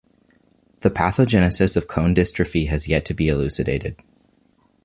The pathogenesis of cone dystrophy has yet to be elucidated.